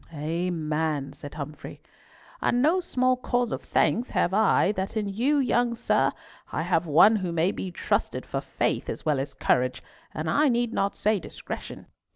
"Amen," said Humfrey. "And no small cause of thanks have I that in you, young sir, I have one who may be trusted for faith as well as courage, and I need not say discretion."